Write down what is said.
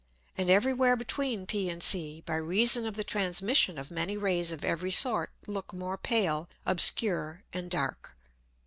And every where between p and C, by reason of the Transmission of many Rays of every sort, look more pale, obscure, and dark.